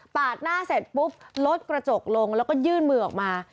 หน้าเสร็จปุ๊บลดกระจกลงแล้วก็ยื่นมือออกมา